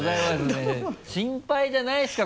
心配じゃないですか？